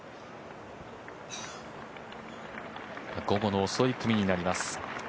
午後の遅い組になります。